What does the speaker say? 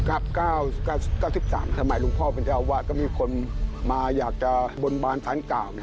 ๙๓ถ้าหมายลุงพ่อเป็นเจ้าว่าก็มีคนมาอยากจะบนบานศาลเก่า